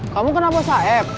kamu kenapa saeb